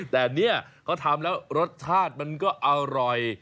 แต่เนี่ยเขาทำแล้วรสชาติมันก็อร่อย